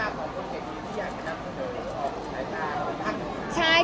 ของประชาชน